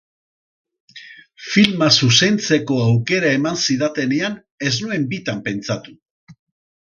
Filma zuzentzeko aukera eman zidatenean ez nuen bitan pentsatu.